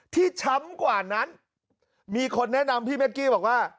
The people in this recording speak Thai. ช้ำกว่านั้นมีคนแนะนำพี่แก๊กกี้บอกว่า